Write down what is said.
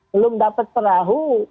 belum mendapatkan perahu